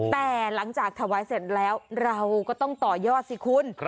แต่หลังจากถวายเสร็จแล้วเราก็ต้องต่อยอดสิคุณ